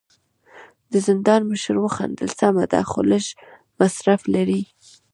د زندان مشر وخندل: سمه ده، خو لږ مصرف لري.